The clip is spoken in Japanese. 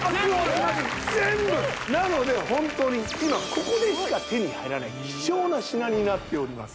全部なので本当に今ここでしか手に入らない貴重な品になっております